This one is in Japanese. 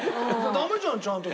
ダメじゃんちゃんと。